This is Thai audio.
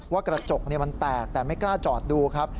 ว่ากระจกมันแตกแต่ไม่กล้าจอดดูครับ